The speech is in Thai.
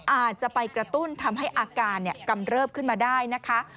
อาจจะไปกระตุ้นทำให้อาการกำเริบขึ้นมาได้นะคะ